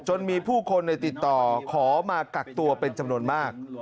จนมีผู้คนในติดต่อขอมากักตัวเป็นจำนวนมาก